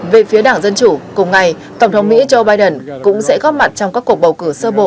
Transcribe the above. về phía đảng dân chủ cùng ngày tổng thống mỹ joe biden cũng sẽ góp mặt trong các cuộc bầu cử sơ bộ